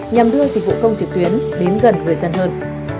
nhằm đưa dịch vụ công trực tuyến đến gần người dân hơn